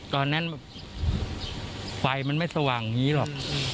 ตอนนั้นไฟมันไม่สว่างอย่างนี้หรอก